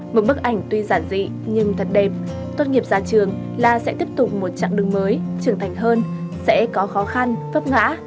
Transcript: một bức ảnh tuy giản dị nhưng thật đẹp tốt nghiệp ra trường là sẽ tiếp tục một chặng đường mới trưởng thành hơn sẽ có khó khăn vất ngã